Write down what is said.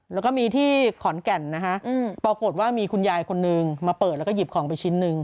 แล้วก็มีที่ขอนแก่นนะฮะปรากฏว่ามีคุณยายคนนึงมาเปิดแล้วก็หยิบของไปชิ้นหนึ่ง